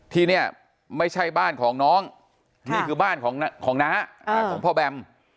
ที่นี่ไม่ใช่บ้านของน้องนี่คือบ้านของน้าของพ่อแบม